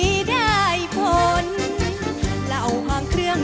ก็จะมีความสุขมากกว่าทุกคนค่ะ